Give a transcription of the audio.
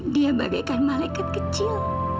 dia bagaikan malekat kecil